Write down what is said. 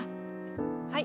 はい。